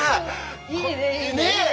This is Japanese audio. いいねいいね！